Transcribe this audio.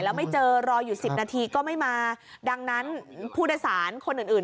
แล้วไม่เจอรออยู่สิบนาทีก็ไม่มาดังนั้นผู้โดยสารคนอื่นอื่น